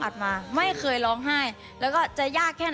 ด้านลองคิดผู้ชาย